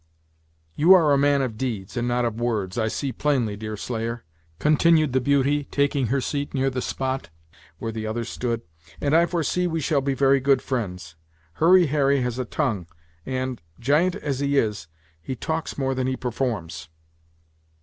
"You are a man of deeds, and not of words, I see plainly, Deerslayer," continued the beauty, taking her seat near the spot where the other stood, "and I foresee we shall be very good friends. Hurry Harry has a tongue, and, giant as he is, he talks more than he performs."